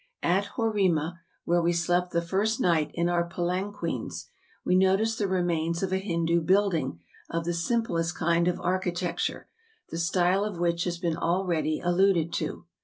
At Horima, whfere we slept the first night in our palanqueens, we noticed the remains of a Hindoo building of the simplest kind of architec¬ ture, the style of which has been already alluded to.